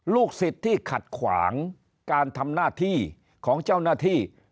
ลูกศิษย์ที่ขัดขวางการทำหน้าที่ของเจ้าหน้าที่